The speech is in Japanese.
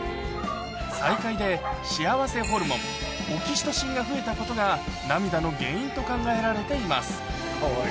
再会で幸せホルモン、オキシトシンが増えたことが、涙の原因と考えられています。